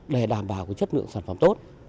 để đảm bảo cái chất lượng sản phẩm tốt